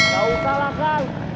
gak usah lah kang